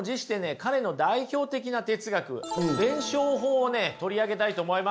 彼の代表的な哲学弁証法を取り上げたいと思います。